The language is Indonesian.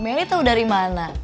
meli tau dari mana